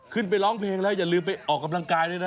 ไปร้องเพลงแล้วอย่าลืมไปออกกำลังกายด้วยนะ